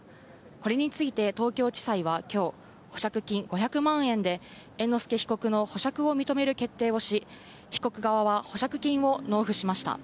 これについて東京地裁はきょう、保釈金５００万円で猿之助被告の保釈を認める決定をし、被告側は保釈金を納付しました。